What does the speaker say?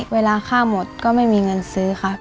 เวลาค่าหมดก็ไม่มีเงินซื้อค่ะ